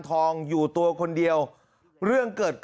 แถลงการแนะนำพระมหาเทวีเจ้าแห่งเมืองทิพย์